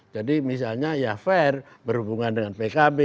jadi misalnya ya fair berhubungan dengan pkb